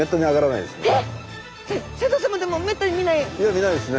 いや見ないですね。